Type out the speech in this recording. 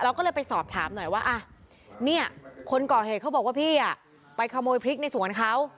ก็เลยไปสอบถามหน่อยว่าเนี่ยคนก่อเหตุเขาบอกว่าพี่ไปขโมยพริกในสวนเขา